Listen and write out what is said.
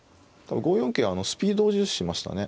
５四桂はスピードを重視しましたね。